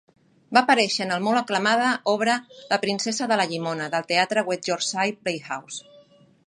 Va aparèixer en la molt aclamada obra "La princesa de la llimona" del teatre West Yorkshire Playhouse.